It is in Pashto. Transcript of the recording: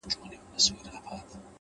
• زما په برخه به نن ولي دا ژړاوای ,